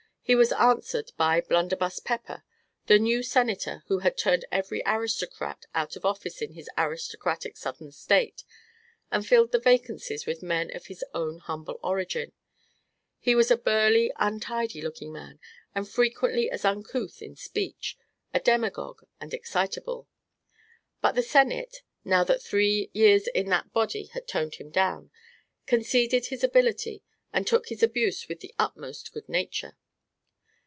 He was answered by "Blunderbuss" Pepper, the new Senator who had turned every aristocrat out of office in his aristocratic Southern State and filled the vacancies with men of his own humble origin. He was a burly untidy looking man, and frequently as uncouth in speech, a demagogue and excitable. But the Senate, now that three years in that body had toned him down, conceded his ability and took his abuse with the utmost good nature.